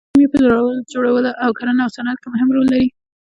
کیمیا په درمل جوړولو او کرنه او صنعت کې مهم رول لري.